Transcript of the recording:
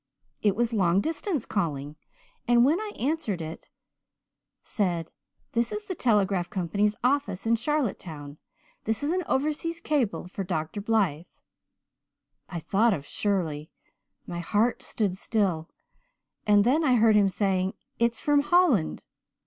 It was long distance calling, and when I answered it said 'This is the telegraph Company's office in Charlottetown. There is an overseas cable for Dr. Blythe.' "I thought of Shirley my heart stood still and then I heard him saying, 'It's from Holland.'